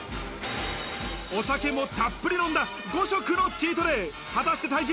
お酒もたっぷり飲んだ５食のチートデイ。